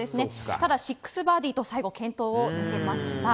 ただ、６バーディーと最後、健闘を見せました。